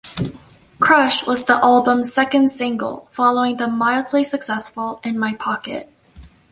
"Crush" was the album's second single following the mildly successful "In My Pocket".